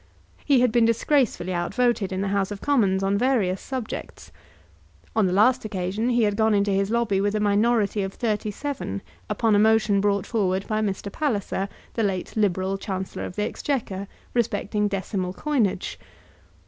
He had been disgracefully out voted in the House of Commons on various subjects. On the last occasion he had gone into his lobby with a minority of 37, upon a motion brought forward by Mr. Palliser, the late Liberal Chancellor of the Exchequer, respecting decimal coinage.